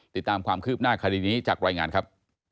ติดตามความคืบหน้าคดีนี้จากรายงานครับ